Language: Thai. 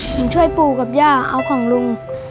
หนูช่วยปู่กับย่าเอาของลุง